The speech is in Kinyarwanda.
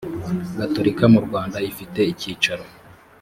gatolika mu rwanda ifite icyicaro